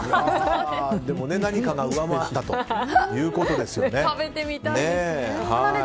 でもね、何かが上回ったということですよね。